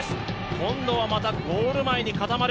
今度はまたゴール前に固まる。